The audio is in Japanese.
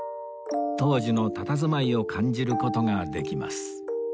当時のたたずまいを感じる事ができます